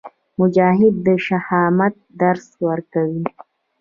مجاهد د شهامت درس ورکوي.